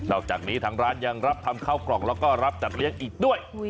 อกจากนี้ทางร้านยังรับทำข้าวกล่องแล้วก็รับจัดเลี้ยงอีกด้วย